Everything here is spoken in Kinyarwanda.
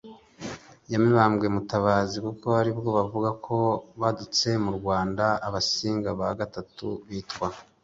ya mibambwe i mutabazi, kuko aribwo bavuga ko badutse mu rwanda. abasinga ba gatatu, bitwa